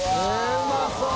うまそう！